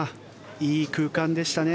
いい空間でしたね。